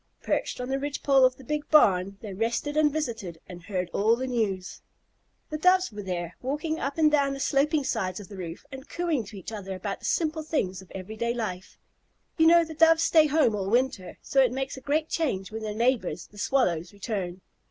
Perched on the ridge pole of the big barn, they rested and visited and heard all the news. The Doves were there, walking up and down the sloping sides of the roof and cooing to each other about the simple things of every day life. You know the Doves stay at home all winter, and so it makes a great change when their neighbors, the Swallows, return.